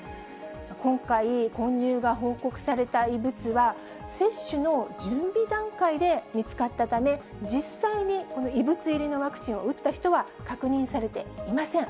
今回、混入が報告された異物は、接種の準備段階で見つかったため、実際にこの異物入りのワクチンを打った人は確認されていません。